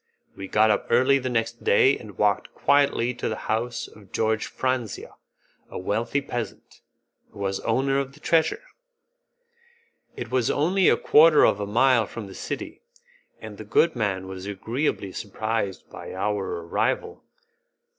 We got up early the next day and walked quietly to the house of George Franzia, a wealthy peasant, who was owner of the treasure. It was only a quarter of a mile from the city, and the good man was agreeably surprised by our arrival.